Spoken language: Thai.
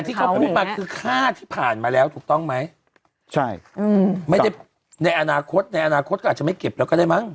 ที่เขาพูดมาคือค่าที่ผ่านมาแล้วถูกต้องไหมใช่อืมไม่ได้ในอนาคตในอนาคตก็อาจจะไม่เก็บแล้วก็ได้มั